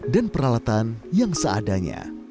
dan peralatan yang seadanya